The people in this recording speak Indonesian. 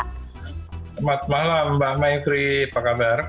selamat malam mbak maifri apa kabar